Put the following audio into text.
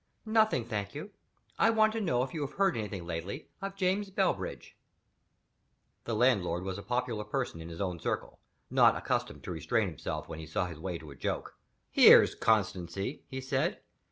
"Nothing, thank you. I want to know if you have heard anything lately of James Bellbridge?" The landlord was a popular person in his own circle not accustomed to restrain himself when he saw his way to a joke. "Here's constancy!" he said.